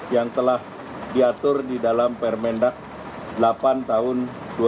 yang telah diatur di dalam permendak delapan tahun dua ribu dua puluh